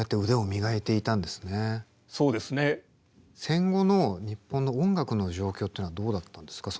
戦後の日本の音楽の状況というのはどうだったんですか？